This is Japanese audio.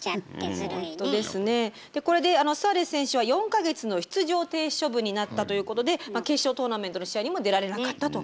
これでスアレス選手は４か月間の出場停止処分になったということで決勝トーナメントの試合にも出られなかったと。